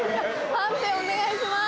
判定お願いします。